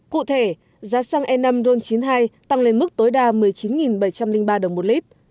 cụ thể giá xăng e năm ron chín mươi hai tăng lên mức tối đa một mươi chín bảy trăm linh ba đồng một lít